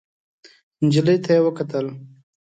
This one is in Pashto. نجلۍ ته يې وکتل.